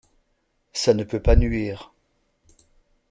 Ca ne peut pas nuire…